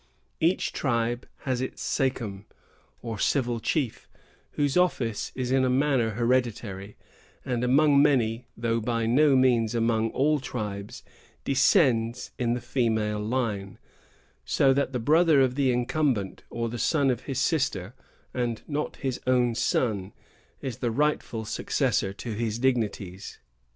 Each tribe has its sachem, or civil chief, whose office is in a manner hereditary, and, among many, though by no means among all tribes, descends in the female line; so that the brother of the incumbent, or the son of his sister, and not his own son, is the rightful successor to his dignities.